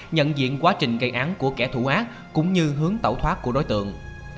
nhận diện quá trình gây án của kẻ thù ác cũng như hướng tẩu thoát của đối tượng